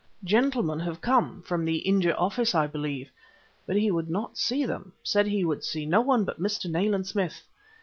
"Gentlemen have come (from the India Office, I believe), but he would not see them. Said he would see no one but Mr. Nayland Smith.